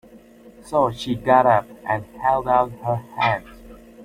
So she got up, and held out her hand.